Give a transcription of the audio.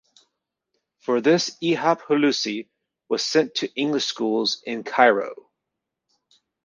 For this Ihap Hulusi was sent to English schools in Cairo.